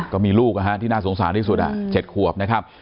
ก็มีลูกที่น่าสงสารที่สุด๗ขวบนะครับ